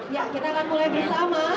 ya kita akan mulai bersama